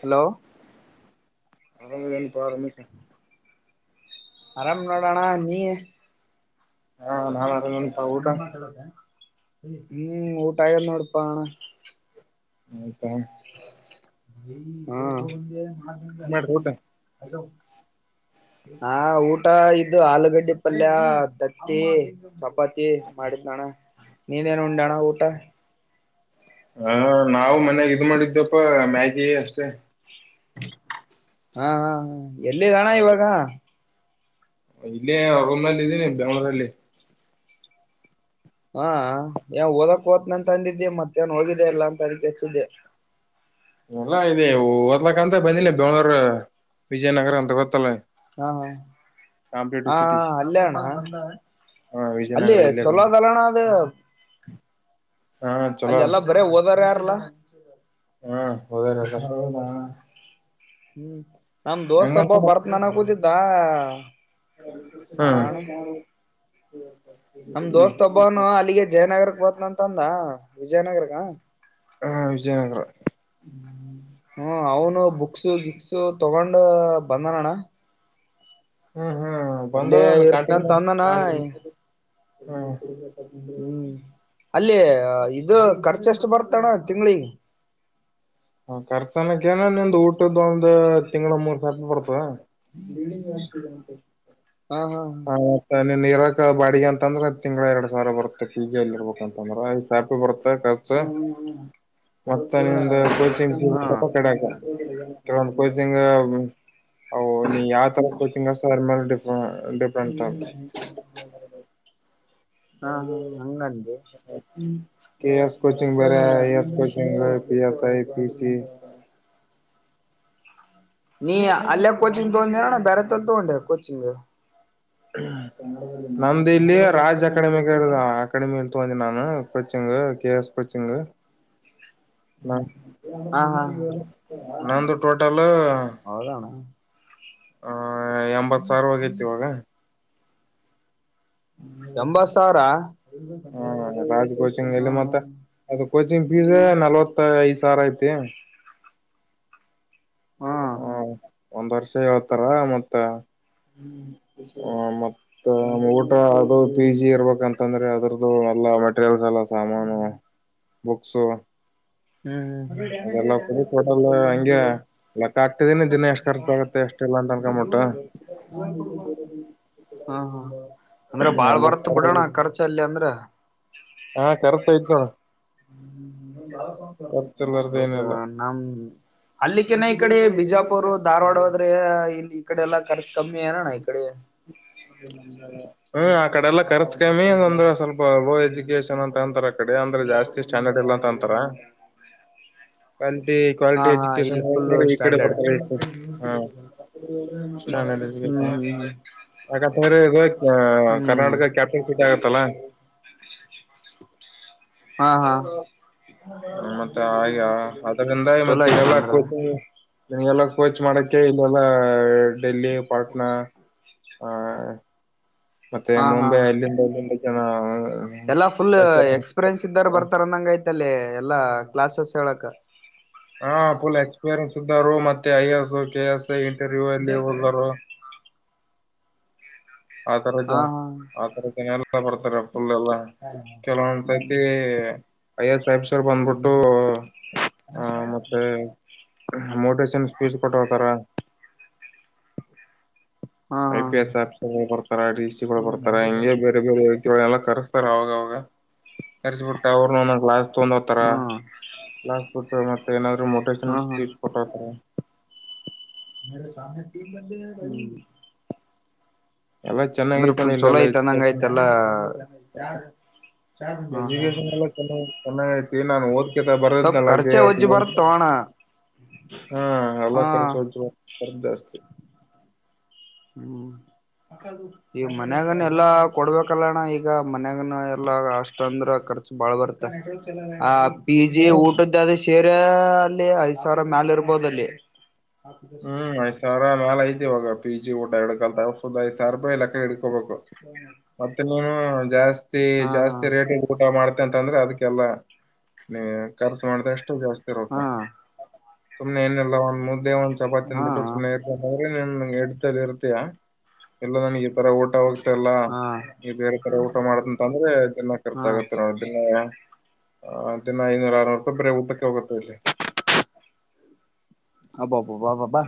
Hello ಆರಾಮನಪ ಆರಮಿತ [inaudible] ಆರಾಮ್ ನೋಡೋಣ ನೀ? ಹಾ ನಾ [unintelligible] ನಮ್ಮ ಕ ಹ್ಮ್ ಊಟಾಯನಡುಪಣ [inaudible] ಹ್ಮದ [inaudible] ಮ ಮಾಡ್ರಿ ಊಟ ಆರಾಮ [inaudible] ಹಾ ಊಟ ಇದು ಆಲೂಗಡ್ಡಿ ಪಲ್ಯ ದತ್ತಿ. ಚಪಾತಿ ಮಾಡಿದತಣ್ಣ ನೀನೇನು ಉಂಡಣ ಊಟ? ಹ ನಾವು ಮನ್ಯಾಗ ಇದ ಮಾಡಿದ್ದಪ್ಪಾ ಮ್ಯಾಗಿ ಅಷ್ಟೇ, ಹಾ ಹಾ ಹಾ ಎಲ್ಲಿದ ಅಣ ಇವಾಗ. ಇಲ್ಲೇ ರೂಮ್ನಲ್ಲಿ ಇದ್ದೀನಿ ಬೆಂಗ್ಳೂರಲ್ಲಿ. ಹಾ, ಏ ಓದಕ್ ಓತ್ನಿ ಅಂತ ಅಂದಿದ್ದಿ ಮತ್ತೇ ನ್ ಹೋಗಿದ್ದ ಇಲ್ಲಾ ಅಂತ ಅದಕ್ಕೆ ಹೆಚ್ಚಿದ್ದೆ. ಎಲ್ಲಾ ಇದೆ ಓದ್ಲಕ್ಕಂತ ಬಂದಿಲ್ಲ ಬೆಂಗ್ಳೂರ್ ವಿಜಯನಗರ ಅಂತ ಗೊತ್ತಲ್ಲ. ಹಾ ಹಾ ಕಾಂಪಿಟೇಟಿವ್ ಹಾ ಸಿಟಿ ಅಲ್ಲೆಣ್ಣ ಹ ಅಲ್ಲಿ ವಿಜಯನಗರ ಇಲ್ಲೇ ಬಂದ ಚೊಲಾದಲ್ಲಣ ಅದು- ಹಾ ಅಲ್ಲಿ ಚಲೋ ಎಲ್ಲಾ ಬರೆ ಹೋದಾರಾರಲ್ಲ. ಹು ಓದುರು ಅದರ [unintelligible] ಹ್ಮ್, ನಮ್ ಹೆಂಗ ದೋಸ್ತ್ ಒಬ್ಬವ ಬರತಿನಿ ಅನ ಕೂತಿದ್ದ ಆ. ಹ್ಮ್, ನಮ್ ದೋಸ್ತ್ ಒಬ್ಬನು ಅಲ್ಲಿಗೆ ಜಯನಗರಕ್ ಬತ್ನಂತ ಅಂದ ವಿಜಯನಗರಗ. ಹಾ ವಿಜಯನಗರ ಹ್ಮ್, ಅವನು ಬುಕ್ಸ ಗಿಕ್ಸು ತಗೊಂಡ ಬಂದನಣ್ಣ. ಹ್ಮ್ ಹ್ಮ್ ಬಂದ ಅಲ್ಲೇ ಕಿಕ ಇರ್ತನಂತ ಅಂದನ [unintelligible] ಹ ಹ್ಮ್ [inaudible] ಅಲ್ಲಿ ಇದು ಖರ್ಚ ಎಷ್ಟು ಬರ್ತಣ್ಣ ತಿಂಗಳಿಗೆ. ಹ ರ್ಚನಕ್ಕೆ ಏನ ನಿಮ್ ಊಟದೊಂದು ತಿಂಗ್ಳ ಮೂರ್ ಸಾವಿ ಬರ್ತತೇ. ಹ ಹ [inaudible] ಮತ್ತ ನೀನ್ ಇರಕ್ ಬಾಡಿಗೆ ಅಂತಂದ್ರ ಅ ತಿಂಗಳ ಎರಡ್ ಸಾವಿರ ಬರುತ್ತೆ. ಪೀಜಿಗೆ ಎಲ್ಲಿ ಇರ್ಬೇಕ ಅಂತಂದ್ರ ಈ [unintelligible] ಚಾಪೆ ಬರುತ್ತ ಮತ್ತ ನಿ [unintelligible] ದು ಹಾ ಕೋಚಿಂಗ್ಫೀಪ ಕಡಕ ಕೋಚಿಂಗ್ ನೀ ಯಾವ್ ತರ ಕೋಚಿಂಗ್ ಮೇಲೆಡಿಪೇಂಡ. - ಟ [unintelligible] ಹಾ ಹಾ ಹಂಗಂದೆ ಕೆ ಎಸ್ ಕೊಚಿಂಗ್ ಬೇರೆಐ ಹ್ಮ್ ಎಸ್ ಕಚಿಂಗ್ ಬೇರೆ. ಪಿ ಎಸ್ಐ, ಪಿ ಸಿ ನೀ ಅಲ್ಲೇ ಕೋಚಿಂಗ್ ತೋಗಂದೇ ನಣ್ಣ ಬ್ಯಾರೆತೋಲ್ ತಗಂಡಕ ಕೊಚಿಂಗ್. ಹಾ [inaudible] ನಮ್ದು ಇಲ್ಲಿ ರಾಜ್ ಅಕಾಡೆಮಿ ಅಕಾಡೆಮಿ ಅ ತಗಂದಿ ನಾನು ಕೋಚಿಂಗ್ ಕೆ ಎಸ್ ಕೋಚಿಂಗ್. ಹ [unintelligible] ನ ನಂದು ಟೋಟಲ್ [unintelligible] ಅವೌದಣ [inaudible] ಆ ಎಂಬತ್ ಸಾವಿರ ಹೋಗೈತಿ ಇವಾಗ ಎಂಬತ್ ಸಾವಿರ ಹ ಹ ರಾಜ್ ಕೋಚಿಂಗ್ ಅಲ್ಲಿ ಮತ್ತ ಅದು ಕೋಚಿಂಗ್ ಫೀಸ್ ನಲ್ವತ್ ಐದ್ ಸಾವಿರ ಐತಿ. ಹ್ಮ್ ಹ ಒಂದ್ ವರ್ಷ ಹೇಳ್ತಾರ ಮತ್ತ ಮ ಊಟ ಅದು ಪಿ ಜಿ ಇರ್ಬೇಕಂತಂದ್ರೆ ಅದ್ರ್ದು ಎಲ್ಲಾ ಮೆಟೀರಿಯಲ್ಸ್ ಎಲ್ಲ ಸಾಮಾನು ಬುಕ್ಸು [unintelligible] ಹ್ಮ್, ಹ್ಮ ಹ್ಮ ಅದೆಲ್ಲ ಕುಡಿ ಕೊಡಲ್ ಹಂಗೆ ಲೆಕ್ಕ ಆಗ್ತಿದೀನಿ ದಿನ ಎಷ್ಟ್ ಖರ್ಚ ಆಗುತ್ತ ಮತ್ತ ಎಷ್ಟ ಇಲ್ಲ ಅಂತ ಅನ್ಕೊಂಬಿಟ್ಟ. ಹ್ಮ್, ಹ್ಮ್ ಅಂದ್ರೆ ಬಾಳ್ ಎಂಬತ್ ಬರ್ತ್ ಸಾವಿರ ಬಿಡೋಣ ಖರ್ಚ ಅಲ್ಲಿ ಅಂದ್ರೆ. ಹಾ, ಖರ್ಚಯ್ತೈಣ ಖರ್ಚಿರಲ್ಲಾರ್ದ ಏನಿಲ್ಲಾ. ನಮ್ಮ [inaudible] ಅಲ್ಲಿಕ್ಕಿನ ಈ ಕಡೆ ಬಿಜಾಪುರ್, ಧಾರವಾಡ ಹೋದ್ರೆ ಇಲ್ಲಿ ಈ ಕಡೆ ಎಲ್ಲ ಖರ್ಚು ಕಮ್ಮಿ ಏನಣ ಈ ಕಡೆ ಹ್ಮ್ ಆ ಕಡೆಲ್ಲ ಖರ್ಚ ಕಮ್ಮಿ ಅಂದ್ರೆ ಸ್ವಲ್ಪ ಎಜುಕೇಶನ್ ಅಂತ ಅಂತಾರ ಅ ಕಡೆ ಅಂದ್ರೆ ಜಾಸ್ತಿ ಸ್ಟ್ಯಾಂಡರ್ಡ್ ಇಲ್ಲ ಅಂತ ಅಂತಾರ ಕ್ವಾಲಟಿ ಹಾ ಕ್ವಾಲಿಟಿ ಹಾ ಇಲ್ಲಿ ಫುಲ್ ಎಜುಕೇಶನ್ ಈಕಡೆ ಸ್ಟ್ಯಾಂಡರ್ಡ್ ಬರ್ತರೆ ಹ ಚನ್ [inaudible] ಹ್ಮ್ ಹ್ಮ್ ಯಾಕಂತಂದ್ರೆ ಇದು ಹ್ಮ್ ಕರ್ನಾಟಕ ಕ್ಯಾಪಿಟಲ್ ಸಿಟಿ ಆಗತ್ತಲ್ಲಾ ಹಾ ಹಾ ಮತ್ತೆ ಆಯ ಅದ್ರಂದ ಚಲೋ ಮತ್ತ ಆಯ್ತ ಇದ್ದಲ ಅಂದ್ರ ಕೂತು ನಿಂಗೆಲ್ಲ ಕೋಚ್ ಮಾಡಕ ಇಲ್ಲೆಲ್ಲ ಡೆಲಿ ಪಾಟ್ನಾ ಹಾ ಮತ್ತೆ ಹಾ ಹಾ ಮುಂಬೈ ಅಲ್ಲಿನಿಂದ ಎಲ್ಲಿಂದ ಜನ ಎಲ್ಲಾ ಫುಲ್ ಎಕ್ಸ್ಪೀರಿಯನ್ಸ್ ಇದ್ದಾರ ಬರ್ತಾರ ಅಂದಂಗ ಅಲ್ಲಿ ಎಲ್ಲಾ ಕ್ಲಾಸಸ್ ಹೇಳಕ್ ಹಾ ಫುಲ್ ಎಕ್ಸ್ಪೀರಿಯನ್ಸ್ ಇದ್ದರು ಮತ್ತೆ I. S. K. S. Interview ಅಲ್ಲಿ ಹೋದರು ಆ ತರದ ಹಾ ಜ ಹಾ ಆ ತರದ ಜನ ಎಲ್ಲ ಬರ್ತಾರೆ ಫುಲ್ ಎಲ್ಲ ಕೆಲವೊಂದು ಹ್ಮ್ ಸತಿ ಅಯ್ಯ [unintelligible] ಸಾಹೇಬ್ಸರ್ ಹ್ಮ್ ಬಂದ್ಬಿಟ್ಟು ಹ್ಮ್ ಮತ್ತೆ ಮೋಟಿವೇಶನ್ ಸ್ಪೀಚ್ ಕೊಟ್ಟ ಹೋತರ ಹಾ ಐ ಹಾ ಪಿ ಎಸ್ ಆಫೀಸರ್ ಗಳು ಬರ್ತಾರ ಡಿ ಸಿಗಳು ಬರ್ತ ಹಂಗೆ ಬೇರೆ ಬೇರೆ ಇವರ್ನೆಲಾ ಕರೆಸ್ತಾರ ಅವಾಗ ಅವಾಗ ಕರ್ಸ ಬಿಟ್ಟ ಅವರುನು ಒಂದ್ ಒಂದ್ ಗ್ಲಾಸ್ ತೊಗೊಂಡ್ ಹೋತರ ಹ್ಮ್ ಕ್ಲಾಸ್ ಕೊಟ್ಟ ಮತ್ತೆ ಏನಾದ್ರು ಮೊಟಿವೇಶನ್ ಹಾ ಹಾ ಸ್ಪೀಚ್ ಕೊಟ್ಟ್ ಹೋತರ ಅೇರೆ ಸಾಮಯತ ಬಲ್ಲಿ [inaudible] ಎಲ್ಲ ಚೆನ್ನಾಗ ಅಂದ್ರೆ ಐತಣ್ಣ ಫುಲ್ ಚಲೋ ಇಲ್ಲೆಲ್ಲ ಐತ್ ಅಂದಂಗ ಎಜುನ್ ಐತೆಲ್ಲಾ ಎಜುಗೇಶನ್ ಎಲ್ಲ ಚೆನ್ನಾಗ ಐತಿ ನಾನ ಓದ್ಕತ ಬರದ್ನಲ್ಲ ಹಾಗೆ ಅದ ತೋಣ ಹಾ ಎಲ್ಲ ಖರ್ಚು ಹತ ರ್ ಜಾಸ್ತಿ [unintelligible] ಹ್ಮ್ ಈಗ ಮನ್ಯಾಗನ ಎಲ್ಲಾ ಕೊಡ್ಬೇಕು ಕಲ್ಯಾಣ ಈಗ ಮನ್ಗನ ಎಲ್ಲ ಅಷ್ಟ ಅಂದ್ರ ಖರ್ಚ ಬಾಳ್ ಬರ್ತ ಆ ಪಿ ಜಿ ಹ್ಮ್ ಊಟದ್ ಅದು ಸೇರೆ ಅಲ್ಲಿ ಐದ್ ಸಾವಿರ ಮ್ಯಾಲ ಇರ್ಬೋದ ಅಲ್ಲಿ ಹ್ಮ್ ಐದ್ ಸಾವರ ನಾಲ ಐತಿ ಇವಾಗ ಪಿ ಜಿ ಊಟ ಎರಡು ಕ್ಯಾಂಪರ್ ಮಾಡುದ್ರೆ ಐದ ಸಾವಿರ ರೂಪಾಯ ಲೆಕ್ಕ ಇಡ್ಕೋಬೇಕು [inaudible] ಮತ್ತೆ ನೀನು ಜಾಸ್ತಿ ಹಾ ಜಾಸ್ತಿ ರೇಟ್ ಊಟ ಮಾಡ್ತೆ ಅಂತ ಅಂದ್ರೆ ಅದಕ್ಕೆಲ್ಲಾ ಖರ್ಚು ಮಾಡ್ದ ಅಷ್ಟೆ ಜಾಸ್ತಿ ಇರುತ್ತೆ ಹಾ ಸುಮ್ನೆ ಏನಿಲ್ಲಒಂದ್ ಮುದ್ದೆ ಒಂದ್ ಚಪಾತಿ ತಿಂದ ಹಾ ಬಿಟ್ಟು ಸುಮ್ನೆ ನ್ಎಡ್ತ ಇರ್ತಯಾ ಎಲ್ಲ ನನಗೆ ಪರ ಓಟ ಹೋಗ್ ಎಲ್ಲ ಹಾ ನೀ ಬೇರೆ ಕಡೆ ಊಟ ಮಾಡುದು ಅಂತ ಅಂದ್ರೆ ಜನ ಖರ್ಚ್ ಹಾ ಆಗತ್ತೆ ನೋಡ ದಿನ ಐನೂರ ಆರ್ನೂರು ರೂಪಾಯಿ ಬರೇ ಊಟಕ್ಕೆ ಹೋಗುತ್ತೆ ಇಲ್ಲಿ ಅಬ್ಬಾ ಬ್ಬಾ ಬ್ಬಾ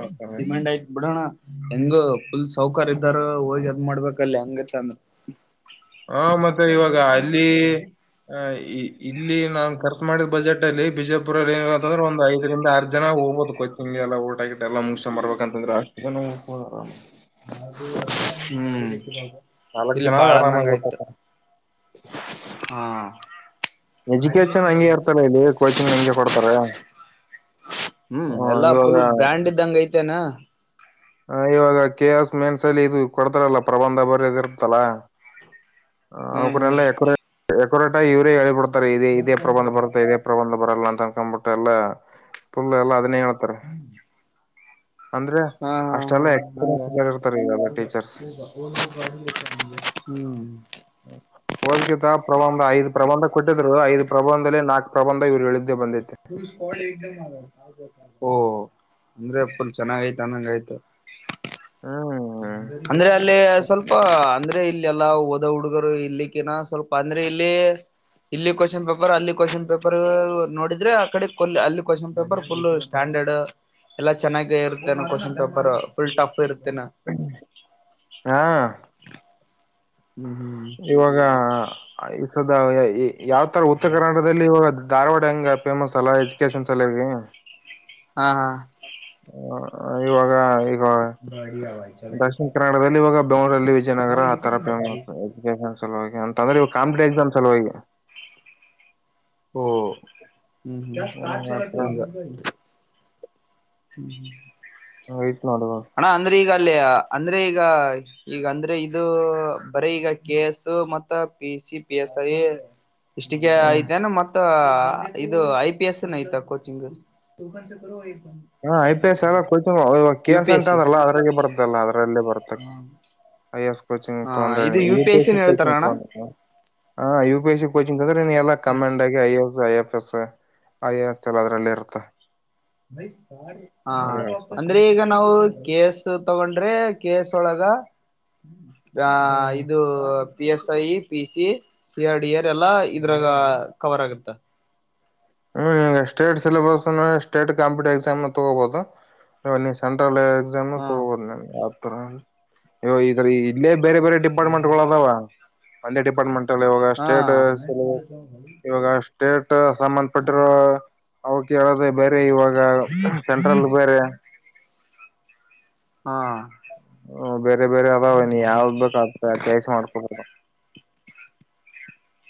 ಆ ತರ. ಡಿಮ್ಯಾಂಡ್ ಆಯ್ತು ಬಿಡೋಣ ಹೆಂಗ ಫುಲ್ ಸೌಕರ್ಯ ಇದ್ದಾರ ಹೋಗಿ ಅದ್ ಮಾಡ್ಬೇಕಲ್ಲಿ ಅಂಗ್ ಚಂದ ಹಾ ಮತ್ತೆ ಇವಾಗ ಅಲ್ಲಿ ಆ ಇಲ್ಲಿ ನಾನ್ ಖರ್ಚು ಮಾಡಿದ ಬಜೆಟ್ ಲ್ಲಿ ಬಿಜಯಪುರಲ್ಲಿ ಏನ ಅನಂದ್ರೆ ಒಂದು ಐದರಿಂದ ಆರ್ ಜನ ಹೋಗಬೋದು ಕೊಚಿಗೆ ಎಲ್ಲ ಊಟ ಆಗ ಎಲ್ಲ ಮುಗಸಕೊಂಡ್ ರ್ಬೇಕಂತಂದ್ರೆ ಅಷ್ಟು ಜ ಹ್ಮ್ ನಾಲ್ಕು ಇಲ್ಲಿ ಜನ ಆದ್ರೆ ಬಾಳ್ ಅನ್ನಂಗ ಆರಾಮಾಗಿ ಆಯ್ತು ಹೋಗ್ತಾರೆ ಹಾ ಎಜುಕೇಶನ್ ಹಂಗೆ ಇರ್ತಾರ ಇಲ್ಲಿ ಕೋಚಿಂಗ್ ಹಂಗೆ ಕೊಡ್ತಾರ ಹ್ಮ್ ಎಲ್ಲಾ ಫುಲ್ ಬ್ರ್ಯಾಂಡ್ ಇದಾಗ್ ಐತೆೇಣ್ಣ ಹ ಇವಾಗ ಕೆ ಎಸ್ ಮೆನ್ಸಲ್ಲಿ ಇದು ಕೊಡ್ತಾರಲ್ಲ ಪ್ರಬಂಧ ಬರೆದ್ ಇರ್ತ್ತಲ್ಲಾ ಹ್ಮ್ ಹ್ಮ್ ಅವ್ಕನೆಲ್ಲ ಎಕೋರ ಎಕೋರಟ ಇವರೇ ಹೇಳಳ್ಬಿಡ್ತಾರೆ ಇದದೆ ಇದೇ ಪ್ರಬಂಧ ಬರ್ತ ಇ [inaudible] ಬರಲ್ಲ ಅಂತ ಅನ್ಕ್ಬಿಟ್ಟ ಎಲ್ಲಾ ಫುಲ್ ಎಲ್ಲಾ ಅದನ್ನೇ ಹೇಳ್ತಾರೆ. ಅಂದ್ರೆ ಹಾ ಹಾ ಹಾ ಅಷ್ಟೆಲ್ಲ. ಎಕ್ಸ್ಪೀರಿಯನ್ಸ್ ಇರ್ತಾರೆ ಇವೆಲ್ಲ ಟೀಚರ್ಸ್ ಹ್ಮ್ [inaudible] ಓದ್ಕಿತ ಪ್ರಬಂಧ ಐದು ಪ್ರಬಂಧ ಕೊಟ್ಟಿದ್ರು ಐದು ಪ್ರಬಂಧದಲ್ಲಿ ನಾಕು ಪ್ರಬಂಧ ಇವ್ರು ಹೇಳಿದ್ದೇ ಬಂದೈತೆ. ಓ ಅಂದ್ರೆ ಫುಲ್ ಚೆನ್ನಾಗ್ ಆಯ್ತು ಅಂದಂಗ ಆಯ್ತು. ಹ್ಮ್ ಅಂದ್ರೆ ಅಲ್ಲಿ ಸ್ವಲ್ಪ ಅಂದ್ರೆ. ಅಂದ್ರೆ ಇಲ್ಲೆಲ್ಲಾ ಓದೋ ಹುಡ್ಗರು ಇಲ್ಲಿಕ್ಕಿನ ಸ್ವಲ್ಪ ಅಂದ್ರೆ ಇಲ್ಲಿ. ಇಲ್ಲಿ ಕ್ವಶ್ನ್ ಪೇಪರ್ ಅಲ್ಲಿ ಕ್ವಶ್ನ್ ಪೇಪರ್ ನೋಡಿದ್ರೆ ಆ ಕಡೆ ಕೊ ಅಲ್ಲಿ ಕ್ವಶನ್ ಪೇಪರ್ ಫುಲ್. ಸ್ಟ್ಯಾಂಡರ್ಡ್ ಎಲ್ಲಾ ಚೆನ್ನಾಗ ಇರುತ್ತೇನೆ ಕ್ಶನ್ ಪೇಪರ್ ಫುಲ್ ಟಫ್ ಇರ್ತ್ತೇನೆ. ಹಾ ಹ್ಮ್ ಇವಾಗ ಯಾವ್ ತರ ಉತ್ತರ ಕನ್ನಡ. ಅಲ್ಲಿ ಇವಾಗ ಧಾರವಾಡ ಹಂಗ ಫೇಮಸ್ ಅಲ್ಲಾ ಎಜುಕೇಶನ್ ಸಾಲವಾಗಿ. ಹಾ ಹಾ ಹ ಇವಾಗ ಈಗ [unintelligible] ಉತ್ತರ ಕನ್ನಡದಲ್ಲಿ ಇವಾಗ [unintelligible] ವಿಜಯನಗರ ಆತರ.. [unintelligible] ಅಂತಂದ್ರ ಇವು ಕಾಂಪಿಟಿವ್ ಎಕ್ಸಾಮ್ ಅಲ್ವಾ ಈಗ. ಓಹೋ. ಹತ್ರ [inaudible] ಆಯ್ತು ನೋಡುವ.. ಅಣ್ಣ ಅಂದ್ರೆ ಈಗ ಅಲ್ಲಿಯ ಅಂದ್ರೆ ಈಗ ಈಗ ಅಂದ್ರೆ ಇದು ಬರೀ ಈಗ ಕೆ ಎಸ್ ಮತ್ತ P C, P S I ಇಷ್ಟಿಗೆ ಐತೆೇನ ಮತ್ ಇದು ಐ ಪಿ ಎಸ್ ಐತ ಕೋಚಿಂಗ್. ಹಾ ಐ ಪಿ ಎಸ್ ಅಲ್ಲ ಕೋಚಿಂಗ್ ಕೆ ಯು ಎಸ್ ಅಂತ ಅಂದ್ರಲ್ಲ ಅದಾಗ ಬರುತ್ತಲ್ಲ ಅದರಲ್ಲೇ ಬರುತ್ತ ಹ್ಮ ಐಎಸ್ ಕೊಚಿಂಗ್ ತೊಂಕೊಂಡ್ರೆ U P S C coaching ಹಾ U P S C coaching ಅಂದ್ರ ಎಲ್ಲ ಕಮಂಡ ಆಗಿ I F, I F S. I A S ಅದರಲ್ಲೇ ಇರುತ್ತ. ಹಾ ಅವ್ರೇ ಹಾಕ್ಬೇಕು ಅಂದ್ರೆ ಈಗ ನಾವು ಕೆ ಎಸ್. ತಗೊಂಡ್ರೆ ಕೆ ಎಸ್ ಒಳಗ ಆ ಹ್ಮ್ ಇದು P S I, P C, C R D R ಎಲ್ಲ ಇದ್ರಾಗ ಕವರ್ ಆಗುತ್ತ. ಹ್ಮ state syllabus state competitive exam ತಗೋಬಹುದು. ಈವಾಗ ನೀ ಸೆಂಟ್ರಲ್ ಎಕ್ಸಾಮ್ ಹಾ ತಕೊಬಹುದು ನೀ ಯಾವತರ ಇವ ಇದರ ಇಲ್ಲೇ ಬೇರೆ ಬೇರೆ ಡಿಪಾರ್ಟ್ಮೆಂಟ್ಗಳು ಅದಾವ. ಒಂದೇ ಡಿಪಾರ್ಟ್ಮೆಂಟ್ ಅಲ್ಲಿ ಇವಾಗ ಸ್ಟೇಟ್ ಇವಾಗ ಸ್ಟೇಟ್ ಹಾ ಸಂಬಂಧಪಟ್ಟಿರೋ ಅವ ಕೇಳೋದ ಬೇರೆ ಇವಾಗ ಸೆಂಟ್ರಲ್ ಬೇರೆ. ಹಾ ಹ್ ಬೇರೆ ಬೇರೆ ಅದಾವ ನೀ ಯಾವ್ದ್ ಬೇಕು ಆದ್ ಚಾಯ್ಸ್ ಮಾಡ್ಕೊಬೋದು.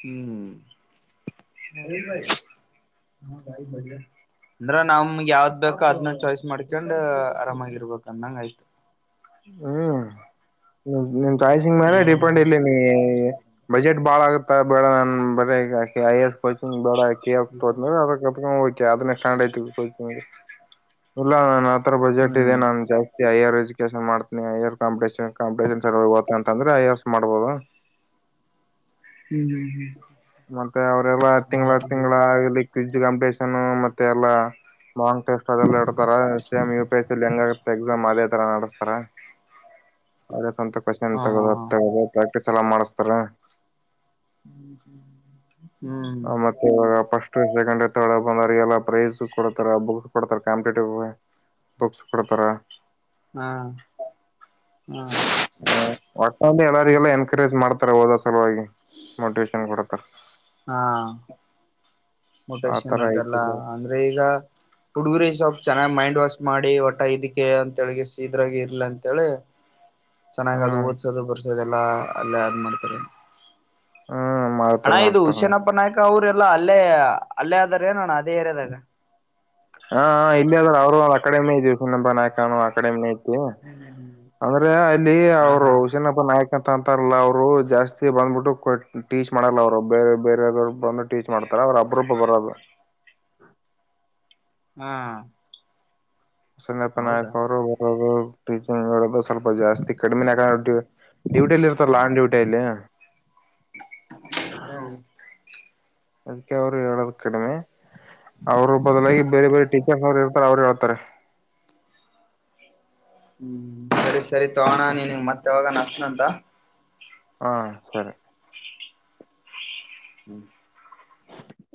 ಹ್ಮ್ [unintelligible] ಅಂದ್ರ ನಮ್ ಯಾವ್ದ್ ಬೇಕೋ ಅದನ್ನ ಚಾಯ್ಸ್ ಮಾಡ್ಕಂಡ್ ಆರಾಮಗ್ ಇರ್ಬೇಕು ಅಂದಂಗ ಆಯ್ತು.. ಹ್ಮ್ ನಿನ್ ಚಾಯ್ಸಿಂಗ್ ಮೇಲೆ ಡಿಪೆಂಡ್ ಇಲ್ಲಿ ನೀ. ಬಜೆಟ್ ಬಾಳ ಆಗುತ್ತ ಬೇಡಾ [unintelligible] ಕೋಚಿಂಗ್ ಬೇಡ ಕೆ ಎಸ್ ತಗೋತೀನ್ ಅಂದ್ರ ಅದಕ್ ಕಟ್ಕೊಂಡು ಹೋಯ್ತೀಯ ಅದನ [unintelligible] ಇಲ್ಲಾ ನನ್ನ ಹತ್ರ ಬಜೆಟ್ ಇದೆ ಹ್ಮ್ ನಾನು ಜಾಸ್ತಿ ಹೈಯರ್ ಎಜುಕೇಷನ್ ಮಾಡ್ತ್ನಿ ಹೈಯರ್ ಕಾಂಪಿಟೇಶನ್ ಕಾಂಪಿಟೇಶನ್ ಸಲುವಾಗಿ ಹೊತ್ತಿನಿ ಐಎಎಸ್ ಮಾಡ್ಬೋದು. [unintelligible] ಮತ್ತೆ ಅವ್ರೆಲ್ಲಾ ತಿಂಗಳ ತಿಂಗಳ ಆಗ್ಲಿ ಕ್ವಿಜ್ ಕಾಂಪಿಟೇಷನ್ ಮತ್ತೆ ಎಲ್ಲಾ. ಲಾಂಗ್ ಟೆಸ್ಟ್ ಅದೆಲ್ಲ ಇಡ್ತಾರ ಸೇಮ್ ಯು ಪಿ ಎಸ್ ಸಿಲ್ಲಿ ಹೆಂಗ ಆಗುತ್ತೆ ಎಕ್ಸಾಮ್ ಅದೇ ತರಾ ನಡೆಸ್ತಾರ. ಅದೇ ಸ್ವಂತ ಕೋಶ್ನ್ ಹಾ ಹಾ ತಗೋದು ಆದ್ ಹಾ ತಗದು ಪ್ರಾಕ್ಟೀಸ್ ಎಲ್ಲಾ ಮಾಡಿಸ್ತಾರಾ. [inaudible] ಹುಂ ಆ, ಮತ್ತೆ ಇವಾಗ ಫಸ್ಟ್ ಸೆಕೆಂಡ್ ತರ್ಡ್ ಬಂದ್ ಅವರಿಗೆಲ್ಲ ಪ್ರೈಸ್ ಕೊಡ್ತಾರ ಬುಕ್ಸ್ ಕೊಡ್ತಾರ ಕಾಂಪಿಟೇಟಿವ್ ಬುಕ್ಸ್ ಕೊಡ್ತಾರ. ಹಾ ಹಾ ಒಟ್ನಲ್ಲಿ ಎಲ್ಲರಿಗೂ ಎನ್ಕರೇಜ್ ಮಾಡ್ತಾರೆ ಓದೋ ಸಲುವಾಗಿ ಮೋಟಿವೇಶನ್ ಕೊಡತಾರಾ. ಹಾ ಮೋಟಿವೇಶನ್ ಆತರ ಅದೆಲ್ಲ ಐತಿಲ್ಲ ಅಂದ್ರೆ ಈಗಾ ಹುಡುಗುರಿ ಸ್ವಪ್ಪ ಚೆನ್ನಾಗ್ ಮೈಂಡ್ ವಾಶ್ ಮಾಡಿ ಒಟ ಇದಕ್ಕೆ ಅಂತ ಹೇಳಿದಕೆಗೆ ಇದ್ರಾಗಿ ಇರ್ಲಿ ಅಂತೇಳಿ ಚೆನ್ನಾಗಿ ಅದು ಹ್ಮ್ ಓದ್ಸೋದು ಬರ್ಸೋದು ಎಲ್ಲಾ ಅಲ್ಲೇ ಅದ ಮಾಡ್ತಾರೆ. ಹ್ಮ್ [inaudible] ಮಾಡ್ತಾರ ಅಣ್ಣಾ ಇದು ಮಾಡ್ತಾರ ಹುಸ್ಯನಪ್ಪ ನಾಯಕ ಅವ್ರ ಎಲ್ಲಾ ಅಲ್ಲೇ ಅಲ್ಲೇ ಆದ್ರ ಏನ್ ಅಣ್ಣಾ ಅದೇ ಏರಿಯಾದಾಗ. ಹಾ ಇಲ್ಲಿ ಅದರ ಅವರು ಅ ಅಕಾಡೆಮಿ. [unintelligible] [unintelligible] ಅಂದ್ರೆ ಅಲ್ಲಿ ಹ ಅವರು ಹಾ ಹುಸನಪ್ಪ ನಾಯಕ ಕ ಅಂತಾರಲ್ಲಾ ಅವ್ರು ಜಾಸ್ತಿ ಬಂದ್ಬಿಟ್ಟು ಕೊ ಟೀಚ್ ಮಾಡಲ್ಲ ಅವ್ರು ಬೇರೆ ಬೇರೆವ್ರು ಬಂದಬಟ್ಟಾ ಟೀಚ್ ಮಾಡ್ತಾರೆ ಅಪರೂಪ ಬರೋದು. ಹಾ ಸನ್ನಪ್ಪನ ಹೌದಾ ಅವರು [inaudible] [unintelligible] ಸ್ವಲ್ಪ ಜಾಸ್ತಿ ಕಡಿಮೆಾನ್ನ ಡ್ಯೂ ಡ್ಯೂಟಿಯಲ್ಲಿ ಇರ್ತಲ್ಲ ಆನ್ ಡ್ಯೂಟಿಯಲ್ಲಿ ಹಾ ಅದಕ್ಕೆ ಅವ್ರು ಹೇಳದ ಕನೇ ಅವ್ರು ಬದಲಾಗಿ ಬೇರೆ ಬೇರೆ ಟೀಚರ್ಸ್ ಅವ್ರು ಇರ್ತಾರೆ ಅವ್ರು ಹೇಳ್ತಾರೆ ಹುಂ ಸರಿ ತಗೋ ಅಣ್ಣಾ ನೀನಗ ಮತ್ತೆ ಯಾವಾಗರೆ ಹಸ್ತನ್ ಅಂತಾ. ಹಾ ಸರಿ [unintelligible]